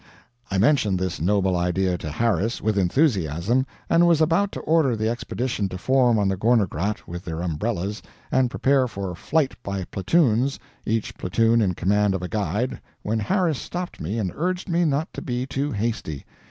I mentioned this noble idea to Harris, with enthusiasm, and was about to order the Expedition to form on the Gorner Grat, with their umbrellas, and prepare for flight by platoons, each platoon in command of a guide, when Harris stopped me and urged me not to be too hasty.